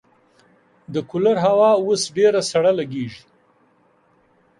د کولر هوا اوس ډېره سړه لګېږي.